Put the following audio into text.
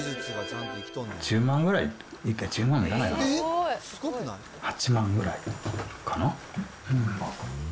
１０万ぐらい、１０万もいかないかな、８万ぐらいかな？